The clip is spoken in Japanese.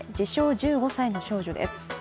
１５歳の少女です。